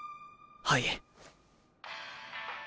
はい。